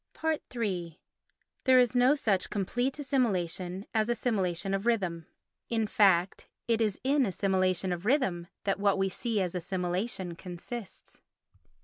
iii There is no such complete assimilation as assimilation of rhythm. In fact it is in assimilation of rhythm that what we see as assimilation consists.